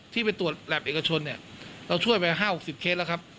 ที่ไปตรวจแหลบเอกชนเนี่ยเราช่วยไป๕๖๐เคสแล้วครับ